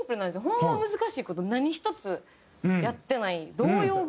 ホンマ難しい事何ひとつやってない。